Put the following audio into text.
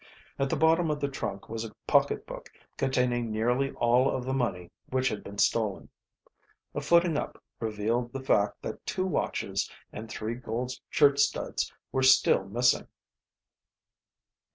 At the bottom of the trunk was a pocketbook containing nearly all of the money which had been stolen. A footing up revealed the fact that two watches and three gold shirt studs were still missing.